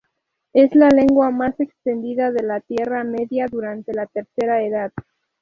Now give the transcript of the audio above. Es la lengua más extendida de la Tierra Media durante la Tercera Edad.